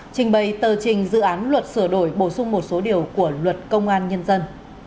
trình bày tờ trình dự án luật sửa đổi bổ sung một số điều của luật công an nhân dân